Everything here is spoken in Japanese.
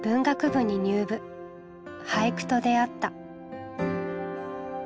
俳句と出会った。